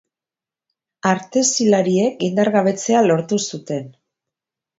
Artezilariek indargabetzea lortu zuten.